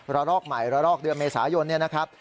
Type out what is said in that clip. รอลอกใหม่ระลอกเดือนเมษายนเนี่ยนะครับ